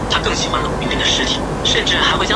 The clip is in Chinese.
母马氏。